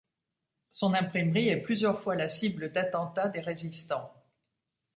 Son imprimerie est plusieurs fois la cible d’attentats des résistants.